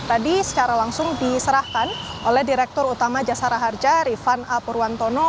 tadi secara langsung diserahkan oleh direktur utama jasara harja rifan a purwantono